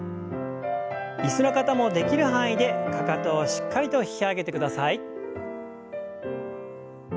椅子の方もできる範囲でかかとをしっかりと引き上げてください。